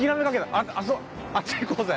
あそこあっち行こうぜ。